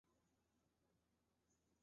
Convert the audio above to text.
亚洲动物基金。